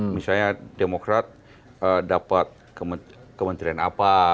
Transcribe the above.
misalnya demokrat dapat kementerian apa